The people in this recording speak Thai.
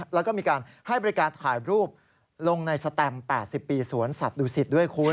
แล้วก็มีการให้บริการถ่ายรูปลงในสแตม๘๐ปีสวนสัตว์ดูสิตด้วยคุณ